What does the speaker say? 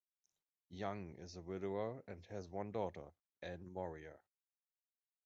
Young is a widower and has one daughter, Anne Morea.